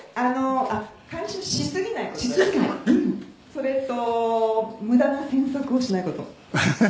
「それと無駄な詮索をしない事」